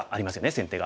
先手が。